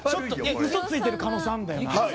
嘘ついてる可能性あるんだよな。